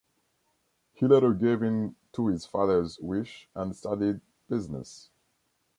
He later gave in to his father's wish and studied business.